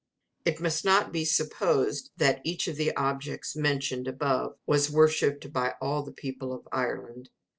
It must not be supposed that each of the objects mentioned above was worshipped by all the people of Ireland.